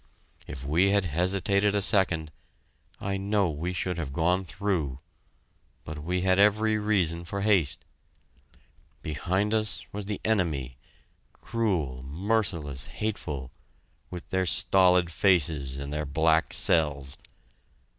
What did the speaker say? If we had hesitated a second, I know we should have gone through; but we had every reason for haste. Behind us was the enemy cruel, merciless, hateful with their stolid faces and their black cells.